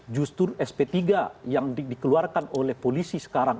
justru sp tiga yang dikeluarkan oleh polisi sekarang